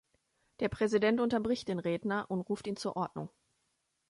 Der Präsident unterbricht den Redner und ruft ihn zur Ordnung.